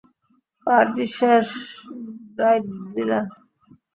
Party শেষ, ব্রাইডজিলা।